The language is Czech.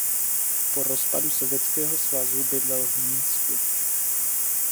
Po rozpadu Sovětského svazu bydlel v Minsku.